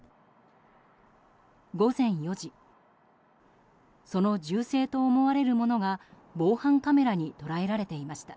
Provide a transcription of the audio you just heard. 午前４時その銃声と思われるものが防犯カメラに捉えられていました。